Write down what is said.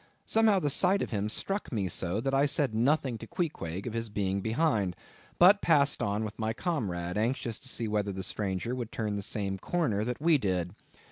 Somehow, the sight of him struck me so, that I said nothing to Queequeg of his being behind, but passed on with my comrade, anxious to see whether the stranger would turn the same corner that we did.